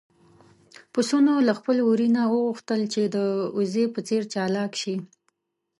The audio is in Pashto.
پسونو له خپل وري نه وغوښتل چې د وزې په څېر چالاک شي.